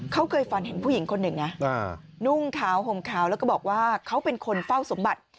เขาเคยฝันเห็นผู้หญิงคนหนึ่งนะนุ่งขาวห่มขาวแล้วก็บอกว่าเขาเป็นคนเฝ้าสมบัติ